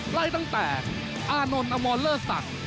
ไล่ตั้งแต่อานนท์อมรเลิศศักดิ์